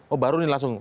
oh baru ini langsung